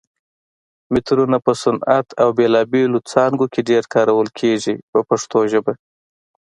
مترونه په صنعت او بېلابېلو څانګو کې ډېر کارول کېږي په پښتو کې.